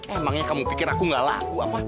emangnya kamu pikir aku gak laku apa